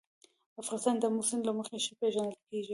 افغانستان د آمو سیند له مخې ښه پېژندل کېږي.